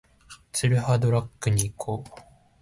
ツルハドラッグに行こう